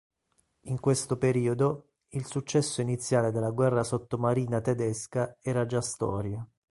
In questo periodo, il successo iniziale della guerra sottomarina tedesca era già storia.